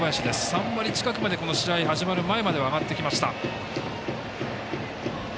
３割近くまでこの試合始まる前までは上がってきました。